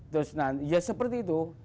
terus ya seperti itu